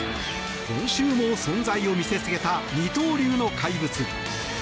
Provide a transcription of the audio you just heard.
今週も存在を見せつけた二刀流の怪物。